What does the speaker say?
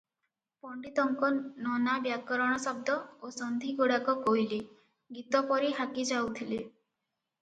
ପଣ୍ତିତଙ୍କ ନନା ବ୍ୟାକରଣ ଶଦ୍ଦ ଓ ସନ୍ଧିଗୁଡ଼ାକ କୋଇଲି - ଗୀତ ପରି ହାକିଯାଉଥିଲେ ।